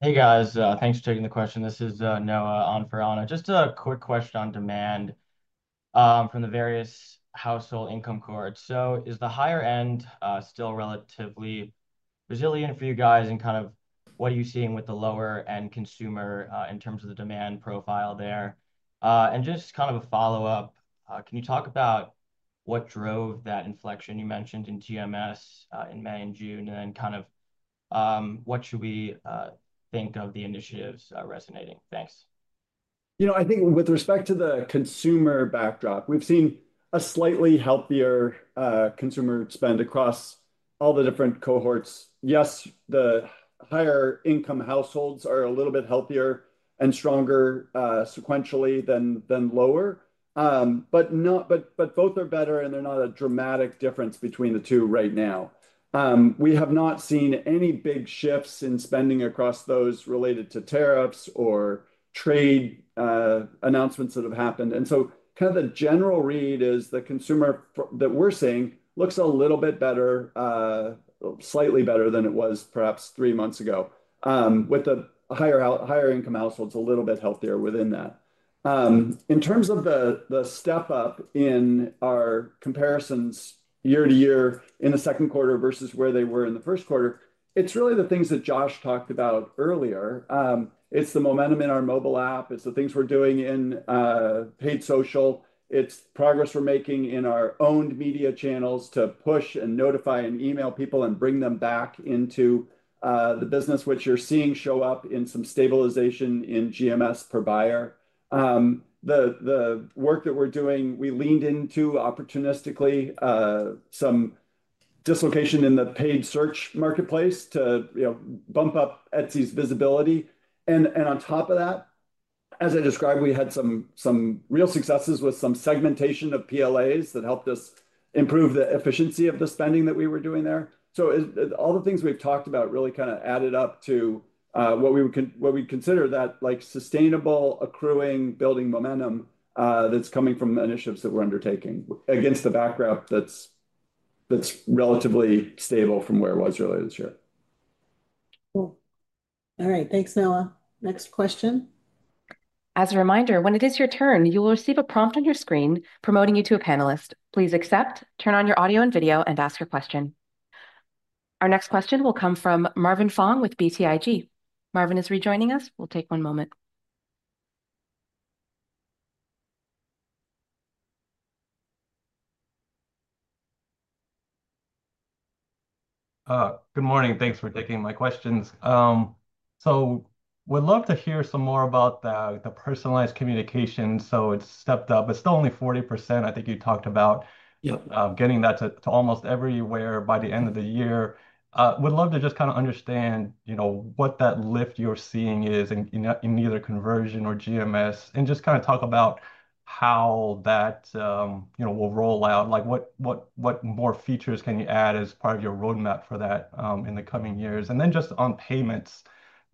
Hey guys, thanks for taking the question. This is Noah on for Ana. Just a quick question on demand from the various household income cohorts. Is the higher end still relatively resilient for you guys, and what are you seeing with the lower end consumer in terms of the demand profile there? Just a follow up, can you talk about what drove that inflection you mentioned in GMS in May and June, and what should we think of the initiatives resonating? Thanks. You know, I think with respect to the consumer backdrop, we've seen a slightly healthier consumer spend across all the different cohorts. Yes, the higher income households are a little bit healthier and stronger sequentially than lower, but both are better and there's not a dramatic difference between the two right now. We have not seen any big shifts in spending across those related to tariffs or trade announcements that have happened. The general read is the consumer that we're seeing looks a little bit better, slightly better than it was perhaps three months ago with the higher, higher income households a little bit healthier within that. In terms of the step up in our comparisons year to year in the second quarter versus where they were in the first quarter, it's really the things that Josh talked about earlier. It's the momentum in our mobile app, it's the things we're doing in Paid Social, it's progress we're making in our owned media channels to push and notify and email people and bring them back into the business, which you're seeing show up in some stabilization in GMS per buyer. The work that we're doing, we leaned into opportunistically some dislocation in the paid search marketplace to bump up Etsy's visibility. On top of that, as I described, we had some real successes with some segmentation of PLAs that helped us improve the efficiency of the spending that we were doing there. All the things we've talked about really added up to what we consider that sustainable accruing, building momentum that's coming from initiatives that we're undertaking against the backdrop that's relatively stable from where it was earlier this year. All right, thanks, Noah. Next question. As a reminder, when it is your turn, you will receive a prompt on your screen promoting you to a panelist. Please accept, turn on your audio and video, and ask your question. Our next question will come from Marvin Fong with BTIG. Marvin is rejoining us. We'll take one moment. Good morning. Thanks for taking my questions. We'd love to hear some more about the personalized communication. It's stepped up. It's still only 40%. I think you talked about getting that to almost everywhere by the end of the year. Would love to just kind of understand what that lift you're seeing is in either conversion or GMS and just kind of talk about how that will roll out. What more features can you add as part of your roadmap for that in the coming years? Just on payments,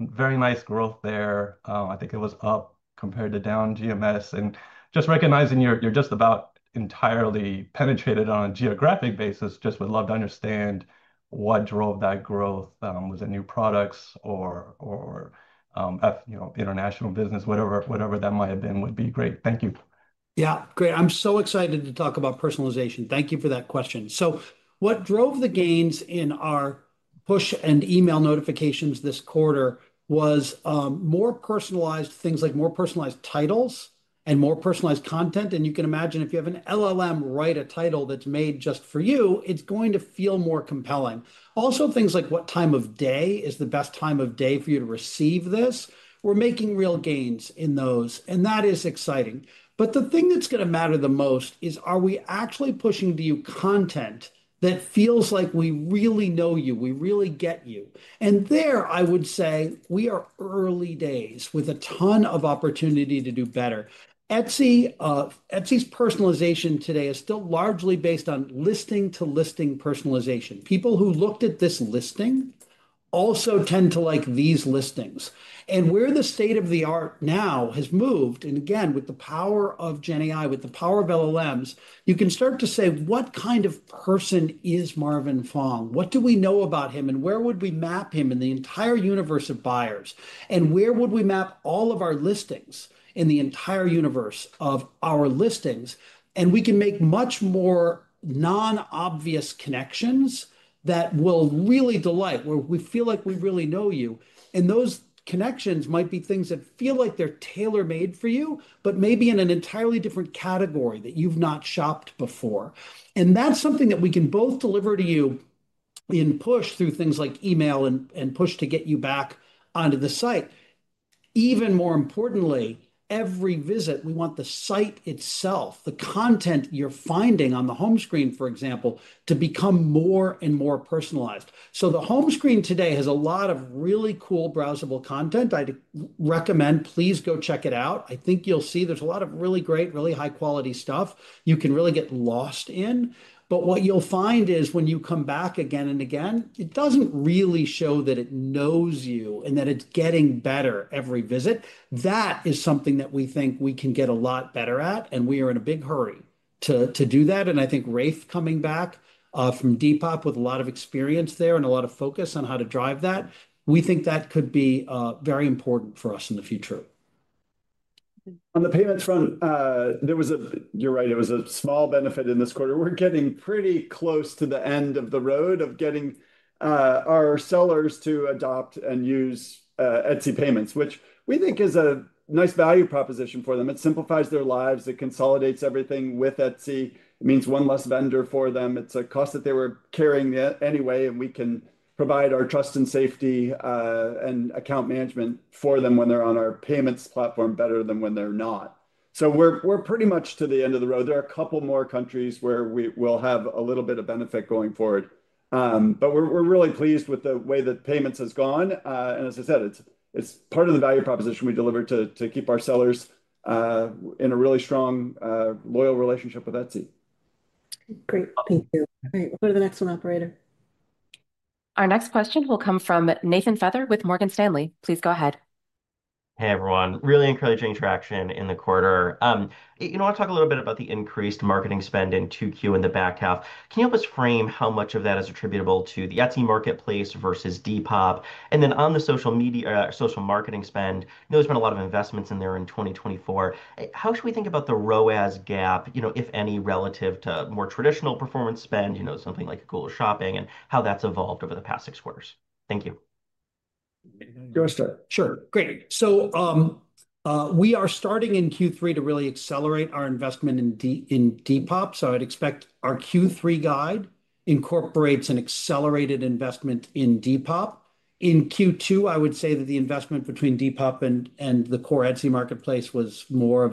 very nice growth there. I think it was up compared to down GMS and just recognizing you're just about entirely penetrated on a geographic basis. Would love to understand what drove that growth. Was it new products or international business? Whatever that might have been would be great. Thank you. Yeah, great. I'm so excited to talk about personalization. Thank you for that question. What drove the gains in our push and email notifications this quarter was more personalized things like more personalized titles and more personalized content. You can imagine if you have an LLM write a title that's made just for you, it's going to feel more compelling. Also, things like what time of day is the best time of day for you to receive this. We're making real gains in those, and that is exciting. The thing that's going to matter the most is are we actually pushing to you content that feels like we really know you, we really get you, and there I would say we are early days with a ton of opportunity to do better. Etsy's personalization today is still largely based on listing-to-listing personalization. People who looked at this listing also tend to like these listings, and where the state of the art now has moved. Again, with the power of generative AI, with the power of LLMs, you can start to say what kind of person is Marvin Fong? What do we know about him? Where would we map him in the entire universe of buyers? Where would we map all of our listings in the entire universe of our listings? We can make much more non-obvious connections that will really delight, where we feel like we really know you. Those connections might be things that feel like they're tailor-made for you, but maybe in an entirely different category that you've not shopped before. That's something that we can both deliver to you in push through things like email and push to get you back onto the site. Even more importantly, every visit we want the site itself, the content you're finding on the home screen, for example, to become more and more personalized. The home screen today has a lot of really cool browsable content. I recommend please go check it out. I think you'll see there's a lot of really great, really high-quality stuff you can really get lost in. What you'll find is when you come back again and again, it doesn't really show that it knows you and that it's getting better every visit. That is something that we think we can get a lot better at, and we are in a big hurry to do that. I think Rafe coming back from Depop with a lot of experience there and a lot of focus on how to drive that, we think that could be very important for us in the future. On the payments front, you're right, it was a small benefit in this quarter. We're getting pretty close to the end of the road of getting our sellers to adopt and use Etsy payments, which we think is a nice value proposition for them. It simplifies their lives, it consolidates everything with Etsy, means one less vendor for them. It's a cost that they were carrying anyway, and we can provide our trust and safety and account management for them when they're on our payments platform better than when they're not. We're pretty much to the end of the road. There are a couple more countries where we will have a little bit of benefit going forward. We're really pleased with the way that payments has gone, and as I said, it's part of the value proposition we delivered to keep our sellers in a really strong loyal relationship with Etsy. Great, thank you. All right, we'll go to the next one, operator. Our next question will come from Nathan Feather with Morgan Stanley. Please go ahead. Hey everyone. Really encouraging traction in the quarter. You want to talk a little bit about the increased marketing spend in 2Q in the back half, can you help us frame how much of that is attributable to the Etsy Marketplace versus Depop, and then on the social media social marketing spend, there's been a lot of investments in there in 2024. How should we think about the ROAS gap, if any, relative to more traditional performance spend, you know, something like Google Shopping and how that's evolved over the past six quarters. Thank you. Do I start? Sure. Great. We are starting in Q3 to really accelerate our investment in Depop. I'd expect our Q3 guide incorporates an accelerated investment in Depop. In Q2, I would say that the investment between Depop and the core Etsy marketplace was more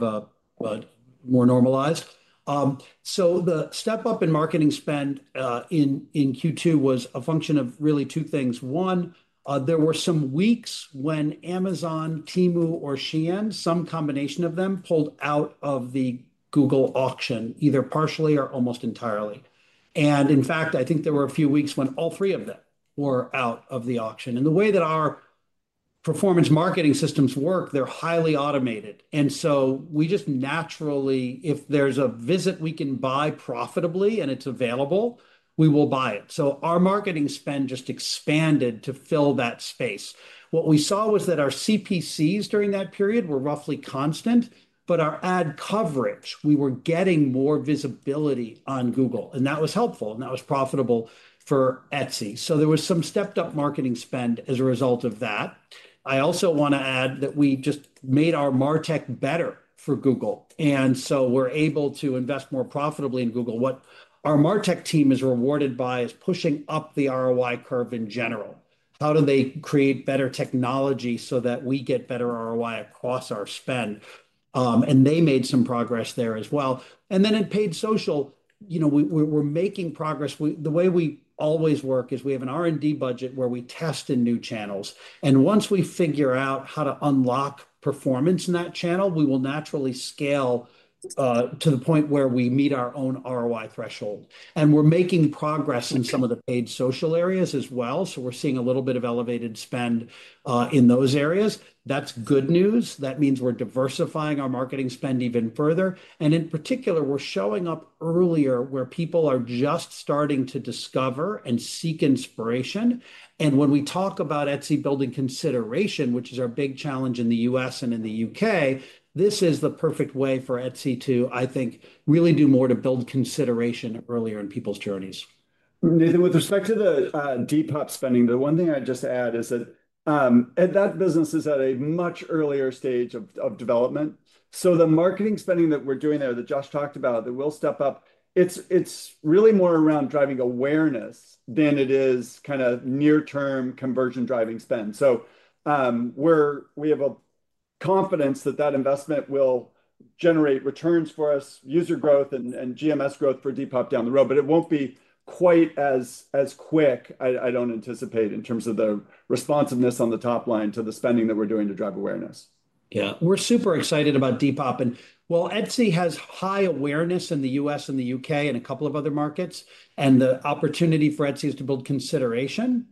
normalized. The step up in marketing spend in Q2 was a function of really two things. One, there were some weeks when Amazon, Temu, or Shein, some combination of them, pulled out of the Google auction either partially or almost entirely. In fact, I think there were a few weeks when all three of them were out of the auction. The way that our performance marketing systems work, they're highly automated, and if there's a visit we can buy profitably and it's available, we will buy it. Our marketing spend just expanded to fill that space. What we saw was that our CPC during that period was roughly constant, but our ad coverage, we were getting more visibility on Google, and that was helpful and profitable for Etsy. There was some stepped up marketing spend as a result of that. I also want to add that we just made our martech better for Google, and we're able to invest more profitably in Google. What our martech team is rewarded by is pushing up the ROI curve in general. How do they create better technology so that we get better ROI across our spend, and they made some progress there as well. In Paid Social, we're making progress. The way we always work is we have an R&D budget where we test in new channels, and once we figure out how to unlock performance in that channel, we will naturally scale to the point where we meet our own ROI threshold. We're making progress in some of the Paid Social areas as well. We're seeing a little bit of elevated spend in those areas. That's good news. That means we're diversifying our marketing spend even further. In particular, we're showing up earlier where people are just starting to discover and seek inspiration. When we talk about Etsy building consideration, which is our big challenge in the U.S. and in the U.K., this is the perfect way for Etsy to really do more to build. Consideration earlier in people's journeys. Nathan, with respect to the Depop spending, the one thing I'd just add is that that business is at a much earlier stage of development. The marketing spending that we're doing there that Josh talked about, that will step up. It's really more around driving awareness than it is kind of near term conversion driving spend. We have a confidence that that investment will generate returns for U.S. user growth and GMS growth for Depop down the road. It won't be quite as quick. I don't anticipate in terms of the responsiveness on the top line to the spending that we're doing to drive awareness. Yeah, we're super excited about Depop. While Etsy has high awareness in the U.S. and the U.K. and a couple of other markets, the opportunity for Etsy is to build consideration.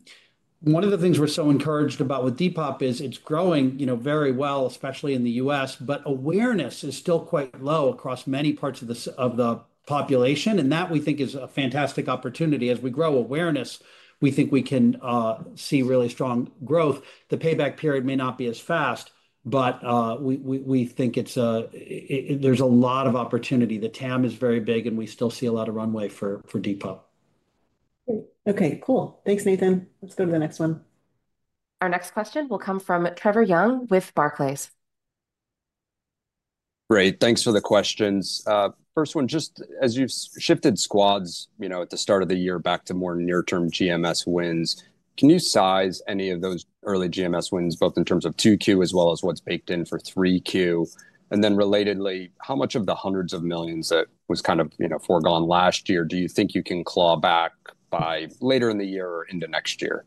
One of the things we're so encouraged about with Depop is it's growing very well, especially in the U.S., but awareness is still quite low across many parts of the population. We think that is a fantastic opportunity. As we grow awareness, we think we can see really strong growth. The payback period may not be as fast, but we think there's a lot of opportunity. The TAM is very big and we. Still see a lot of runway for Depop. Okay, cool, thanks, Nathan. Let's go to the next one. Our next question will come from Trevor Young with Barclays. Great, thanks for the questions. First one, just as you've shifted squads. You know, at the start of the. Year back to more near term GMS. Wins, can you size any of those? GMS wins both in terms of 2Q as well as what's baked in for 3Q? Relatedly, how much of the. Hundreds of millions, that was kind of. You know, foregone last year. Do you think you can claw back by later in the year or into next year?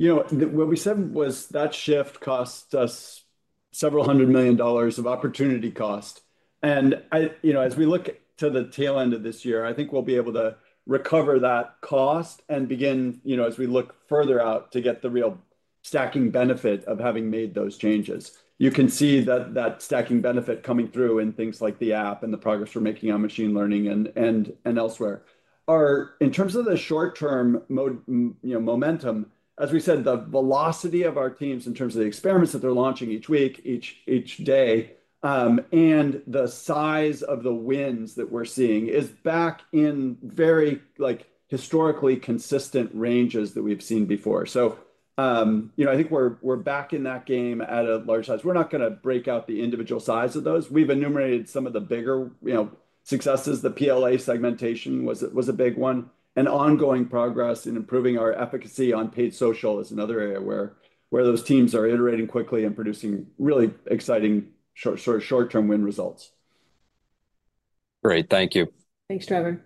What we said was that shift cost us several hundred million dollars of opportunity cost. As we look to the tail end of this year, I think we'll be able to recover that cost and begin, as we look further out, to get the real stacking benefit of having made those changes. You can see that stacking benefit coming through in things like the mobile app and the progress we're making on machine learning and elsewhere in terms of the short-term momentum, as we said, the velocity of our teams. terms of the experiments that they're launching. Each week, each day, and the size of the wins that we're seeing is back in very historically consistent ranges that we've seen before. I think we're back in that game at a large size. We're not going to break out the individual size of those. We've enumerated some of the bigger successes. The PLA segmentation was a big one, and ongoing progress in improving our efficacy on Paid Social is another area where those teams are iterating quickly and producing really exciting short-term win results. Great, thank you. Thanks, Trevor.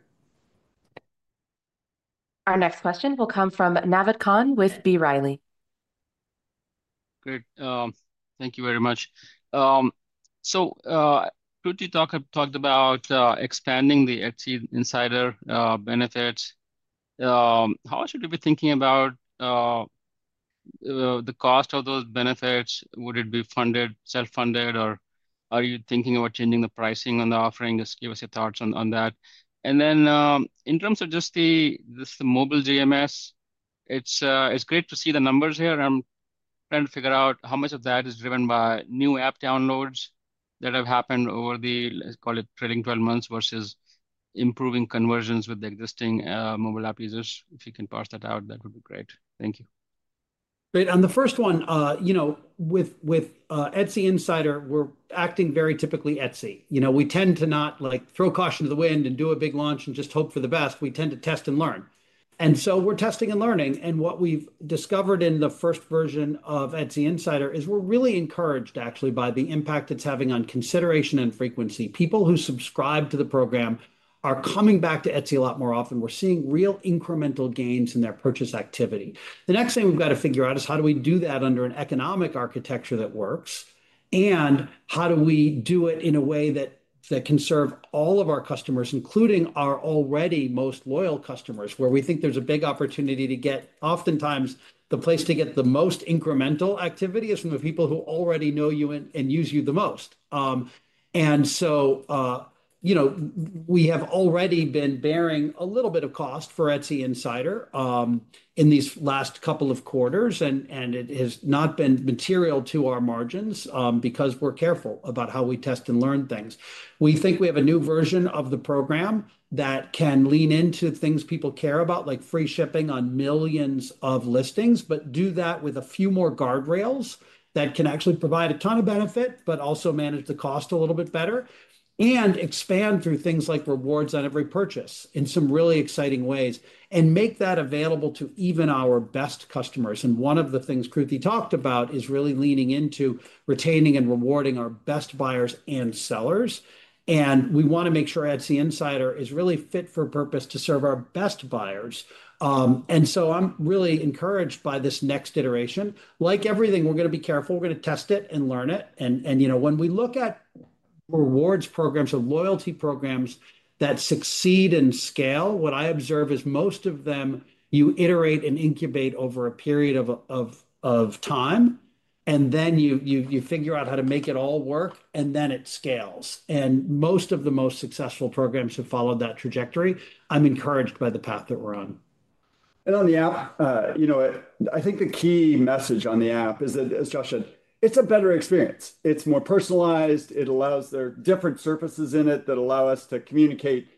Our next question will come from Naved Khan with B. Riley. Great, thank you very much. Kruti talked about expanding the Etsy Insider benefits. How should you be thinking about the cost of those benefits? Would it be funded, self-funded, or are you thinking about changing the pricing on the offering? Just give us your thoughts on that. In terms of just this mobile GMS, it's great to see the numbers here. I'm trying to figure out how much of that is driven by new app downloads that have happened over the, let's call it trailing 12 months, versus improving conversions with the existing mobile app users. If you can parse that out, that would be great. Thank you. Great. On the first one with Etsy Insider, we're acting very typically Etsy. We tend to not throw caution to the wind and do a big launch and just hope for the best. We tend to test and learn, and so we're testing and learning. What we've discovered in the first version of Etsy Insider is we're really encouraged actually by the impact it's having on consideration and frequency. People who subscribe to the program are coming back to Etsy a lot more often. We're seeing real incremental gains in their purchase activity. The next thing we've got to figure out is how do we do that under an economic architecture that works and how do we do it in a way that can serve all of our customers, including our already most loyal customers, where we think there's a big opportunity to get. Oftentimes the place to get the most incremental activity is from the people who already know you and use you the most. We have already been bearing a little bit of cost for Etsy Insider in these last couple of quarters and it has not been material to our margins because we're careful about how we test and learn things. We think we have a new version of the program that can lean into things people care about, like free shipping on millions of listings, but do that with a few more guardrails that can actually provide a ton of benefit, but also manage the cost a little bit better and expand through things like rewards on every purchase in some really exciting ways and make that available to even our best customers. One of the things Kruti talked about is really leaning into retaining and rewarding our best buyers and sellers. We want to make sure Etsy Insider is really fit for purpose to serve our best buyers. I'm really encouraged by this next iteration. Like everything, we're going to be careful, we're going to test it and learn it. When we look at rewards programs or loyalty programs that succeed in scale, what I observe is most of them, you iterate and incubate over a period of time and then you figure out how to make it all work and then it scales. Most of the most successful programs have followed that trajectory. I'm encouraged by the path that we're. On and on the app. I think the key message on the app is that, as Josh said, it's a better experience, it's more personalized, it allows. There are different surfaces in it that allow us to communicate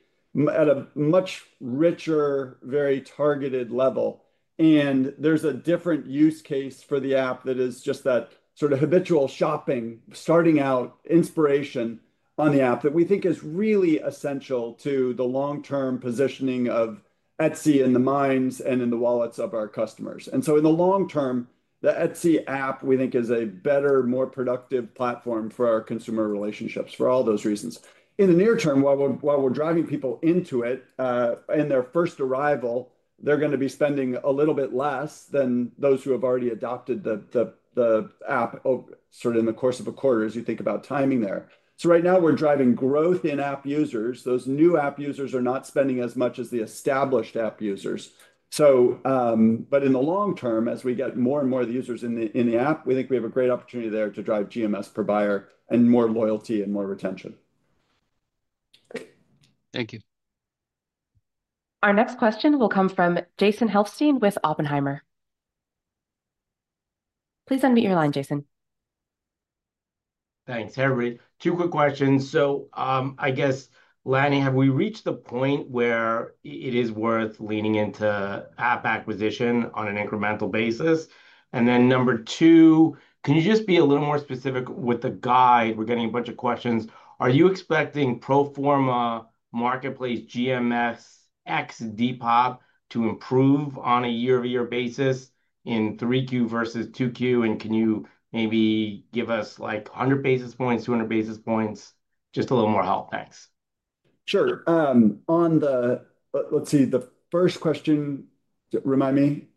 at a much richer, very targeted level. There's a different use case for the app that is just that sort of habitual shopping, starting out, inspiration on the app that we think is really essential to the long term positioning of Etsy in the minds and in the wallets of our customers. In the long term, the Etsy app, we think, is a better, more productive platform for our consumer relationships. For all those reasons, in the near term, while we're driving people into it in their first arrival, they're going to be spending a little bit less than those who have already adopted the app, sort of in the course of a quarter as you think about timing there. Right now we're driving growth in app users. Those new app users are not spending as much as the established app users. In the long term, as we get more and more of the users in the app, we think we have a great opportunity there to drive GMS per buyer and more loyalty and more retention. Thank you. Our next question will come from Jason Helfstein with Oppenheimer. Please unmute your line, Jason. Thanks everybody, two quick questions. I guess Lanny, have we reached the point where it is worth leaning into app acquisition on an incremental basis? Number two, can you just be a little more specific with the guide? We're getting a bunch of questions on. Are you expecting pro forma marketplace GMS x Depop to improve on a year-over-year basis in 3Q versus 2Q, and can you maybe give us like 100 basis points, 200 basis points? Just a little more help, thanks. Sure. On the first question, remind me.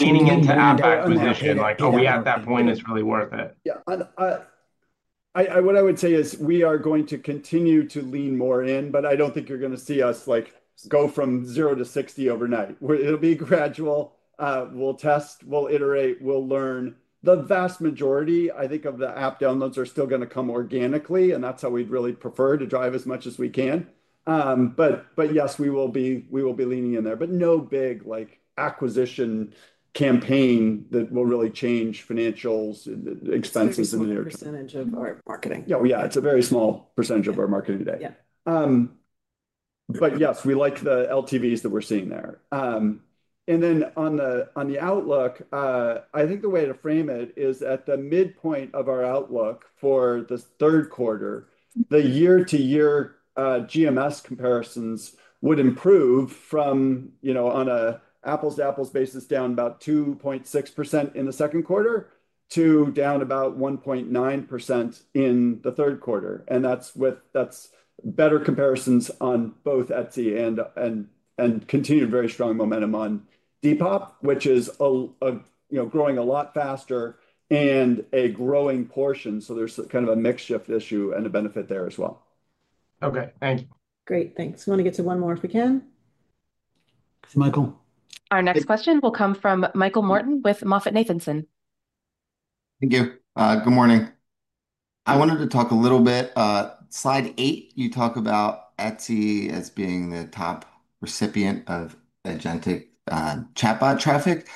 Leaning into app acquisition. We had that point. It's really worth it. Yeah. What I would say is we are. Going to continue to lean more in, but I don't think you're going to see us go from zero to 60 overnight. It'll be gradual. We'll test, we'll iterate, we'll learn. The vast majority, I think, of the app downloads are still going to come organically, and that's how we'd really prefer to drive as much as we can. Yes, we will be leaning in there. No big acquisition campaign that will really change financial expenses, percentage of our marketing. It's a very small percentage of our marketing today. Yes, we like the LTVs that we're seeing there. On the outlook, I think the way to frame it is at the midpoint of our outlook for the third quarter, the year-to-year GMS comparisons would improve from, you know, on an apples-to-apples basis, down about 2.6% in the second quarter to down about 1.9% in the third quarter. That's better comparisons on both Etsy and continued very strong momentum on Depop, which is growing a lot faster and a growing portion. There's kind of a mix shift issue and a benefit there as well. Okay, thank you. Great, thanks. Want to get to one more if we can, Michael? Our next question will come from Michael Morton with MoffettNathanson. Thank you. Good morning. I wanted to talk a little bit. Slide 8. You talk about Etsy as being the top recipient of agentic chatbot traffic.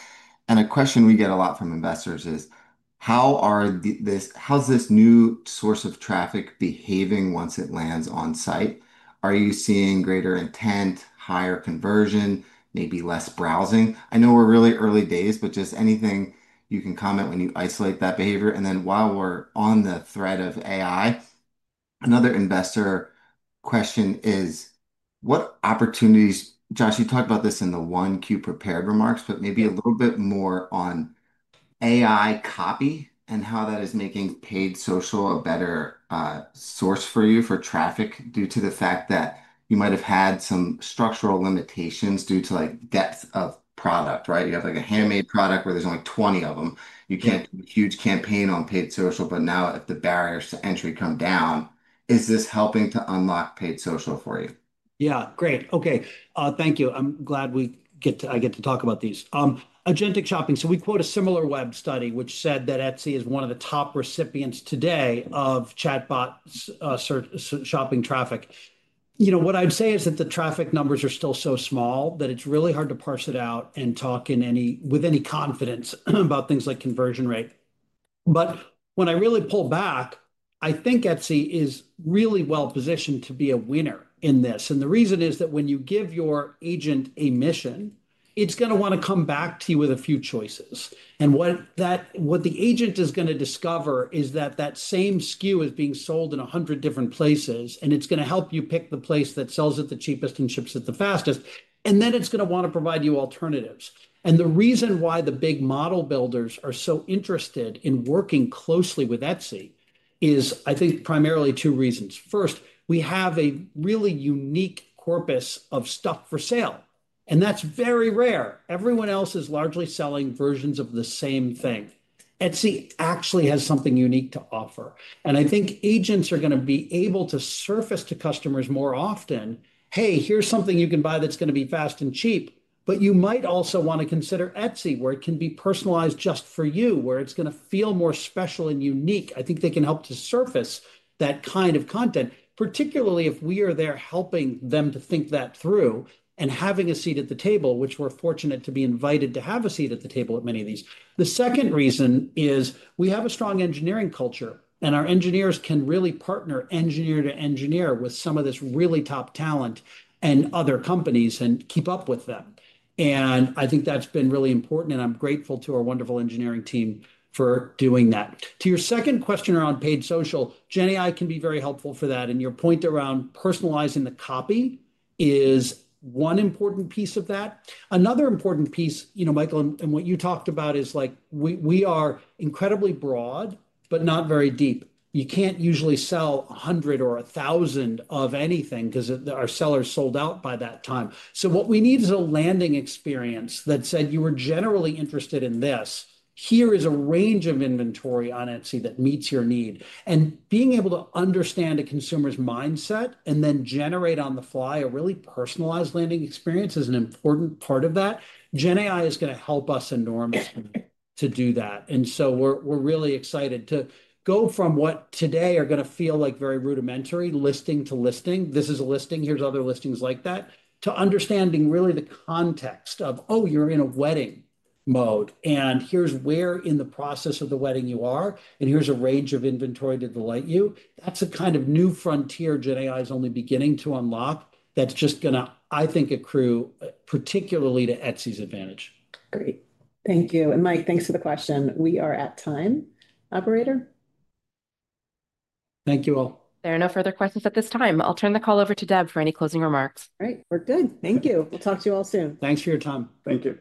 A question we get a lot from investors is how is this new source of traffic behaving once it lands on site? Are you seeing greater intent, higher conversion, maybe less browsing? I know we're really early days, but just anything you can comment when you isolate that behavior. While we're on the thread of AI, another investor question is what opportunities. Josh, you talked about this in the 1Q prepared remarks, but maybe a little bit more on AI copy and how that is making Paid Social a better source for you, for traffic due to the fact that you might have had some structural limitations due to depth of product. You have a handmade product where there's only 20 of them. You can't do a huge campaign on Paid Social. Now if the barriers to entry come down, is this helping to unlock Paid Social for you? Yeah. Great. Okay, thank you. I'm glad we get to. I get to talk about these agentic shopping. We quote a Similarweb study which said that Etsy is one of the top recipients today of Chinese chatbot shopping traffic. What I'd say is that the traffic numbers are still so small that it's really hard to parse it out and talk with any confidence about things like conversion rate. When I really pull back, I think Etsy is really well positioned to be a winner in this. The reason is that when you give your agent a mission, it's going to want to come back to you with a few choices. What the agent is going to discover is that that same scale SKU is being sold in 100 different places. It's going to help you pick the place that sells it the cheapest and ships it the fastest. It's going to want to provide you alternatives. The reason why the big model builders are so interested in working closely with Etsy is, I think, primarily two reasons. First, we have a really unique corpus of stuff for sale, and that's very rare. Everyone else is largely selling versions of the same thing. Etsy actually has something unique to offer, and I think agents are going to be able to surface to customers more often. Hey, here's something you can buy that's going to be fast and cheap. You might also want to consider Etsy, where it can be personalized just for you, where it's going to feel more special and unique. I think they can help to surface that kind of content, particularly if we are there helping them to think that through and having a seat at the table, which we're fortunate to be invited to have a seat at the table at many of these. The second reason is we have a strong engineering culture and our engineers can really partner engineer to engineer with some of this really top talent in other companies and keep up with them. I think that's been really important. I'm grateful to our wonderful engineering team for doing that. To your second question around Paid Social, genAI can be very helpful for that. Your point around personalizing the copy is one important piece of that. Another important piece, Michael, and what you talked about is, we are incredibly broad but not very deep. You can't usually sell 100 or 1,000 of anything because our sellers sold out by that time. What we need is a landing experience that said, you were generally interested in this. Here is a range of inventory on Etsy that meets your need. Being able to understand a consumer's mindset and then generate on the fly a really personalized landing experience is an important, important part of that. GenAI is going to help us enormously to do that. We are really excited to go from what today are going to feel like very rudimentary listing to listing. This is a listing. Here are other listings like that, to understanding really the context of, oh, you're in a wedding mode and here's where in the process of the wedding you are, and here's a range of inventory to delight you. That's a kind of new frontier GenAI is only beginning to unlock. That's just going to, I think, accrue. Particularly to Etsy's advantage. Great. Thank you. Mike, thanks for the question. We are at time, operator. Thank you all. There are no further questions at this time. I'll turn the call over to Deb for any closing remarks. All right, we're good. Thank you. We'll talk to you all soon. Thanks for your time. Thank you.